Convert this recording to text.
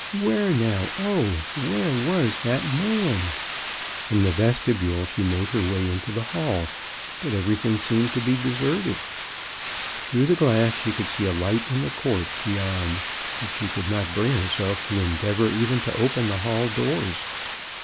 Where, now, oh ! where was that man ? From the vestibule she made her way into the hall, but everything seemed to be deserted. Through the glass she could see a light in the court MRS. brown's failure. 29 beyond, but she could not bring herself to en deavor even to open the'hall doors.